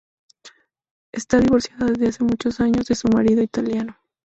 Está divorciada desde hace muchos años de su marido italiano.